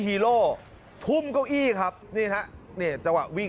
ฮีโรทุ่มเก้าอี้ครับนี่ครับ